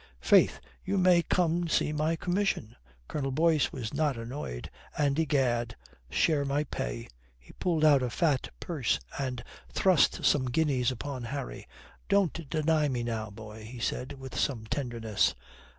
"Faith, you may come see my commission," Colonel Boyce was not annoyed, "and, egad, share my pay." He pulled out a fat purse and thrust some guineas upon Harry. "Don't deny me now, boy," he said, with some tenderness.